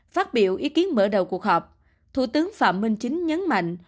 phát biểu ý kiến mở đầu cuộc họp thủ tướng phạm minh chính nhấn mạnh